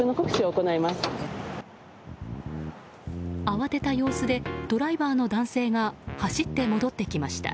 慌てた様子でドライバーの男性が走って戻ってきました。